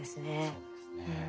そうですね。